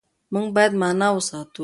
موږ بايد مانا وساتو.